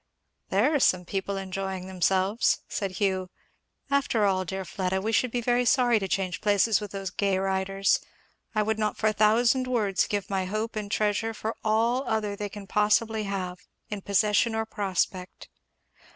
"There are some people enjoying themselves," said Hugh. "After all, dear Fleda, we should be very sorry to change places with those gay riders. I would not for a thousand worlds give my hope and treasure for all other they can possibly have, in possession or prospect."